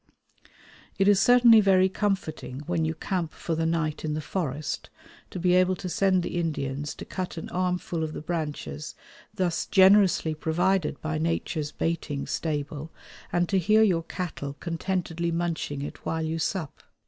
It is certainly very comforting when you camp for the night in the forest to be able to send the Indians to cut an armful of the branches thus generously provided by Nature's baiting stable, and to hear your cattle contentedly munching it while you sup.